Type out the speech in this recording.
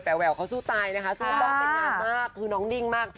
แต่แหววเขาสู้ตายนะคะสู้มากเป็นงานมากคือน้องนิ่งมาก